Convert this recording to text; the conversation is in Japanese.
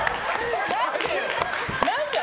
何で？